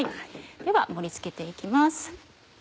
では盛り付けて行きます。